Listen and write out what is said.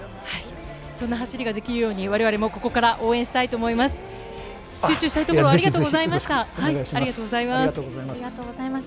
そんな走りができるように我々も応援したいと思います。